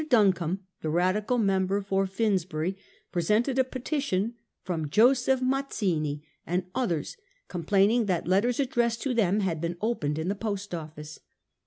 Duncombe, the Radical member for Finsbury, presented a petition from Joseph Mazzini and others complaining that letters addressed to them had been opened in the Post Office.